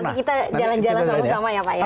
nanti kita jalan jalan sama sama ya pak ya